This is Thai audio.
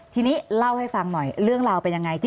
ทีนี้เล่าให้ฟังหน่อยเรื่องราวเป็นยังไง